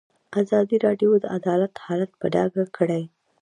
ازادي راډیو د عدالت حالت په ډاګه کړی.